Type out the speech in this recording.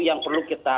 yang perlu kita